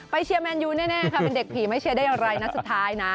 เชียร์แมนยูแน่ค่ะเป็นเด็กผีไม่เชียร์ได้อะไรนัดสุดท้ายนะ